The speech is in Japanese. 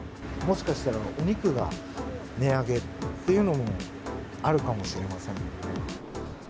もしかしたらお肉が値上げっていうのもあるかもしれません。